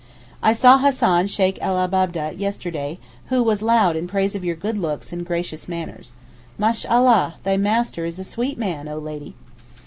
] I saw Hassan Sheykh el Abab'deh yesterday, who was loud in praise of your good looks and gracious manners. 'Mashallah, thy master is a sweet man, O Lady!